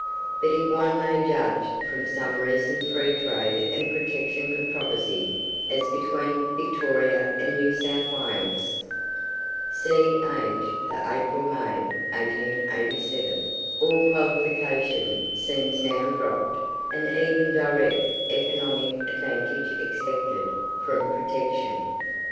But if one may judge from some recent Freetrade and Protection controversy as between Victoria and New South Wales (see "Age" for April May, 1887), all qualification seems now dropped, and even direct economic advantage expected from Protection.